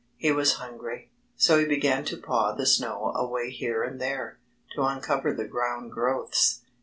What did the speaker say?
He was hungry. So he began to paw the snow away here and there, to uncover the ground growths.